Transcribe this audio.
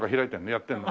やってるの？